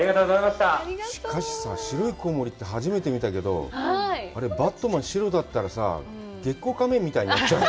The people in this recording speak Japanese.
しかしさ、白いコウモリって初めて見たけど、あれバットマン、白だったらさ、「月光仮面」みたいになっちゃう。